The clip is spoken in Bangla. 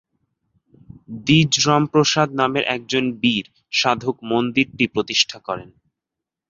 দ্বিজ রামপ্রসাদ নামের একজন বীর সাধক মন্দিরটি প্রতিষ্ঠা করেন।